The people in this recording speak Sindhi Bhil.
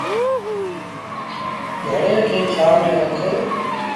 گھڙي کي ڇآنه ميݩ رک۔